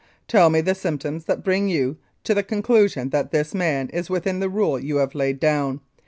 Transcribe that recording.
Tell me the symptoms that bring you to the con clusion that this man is within the rule you have laid down.